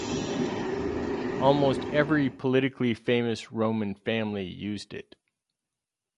Almost every politically famous Roman family used it.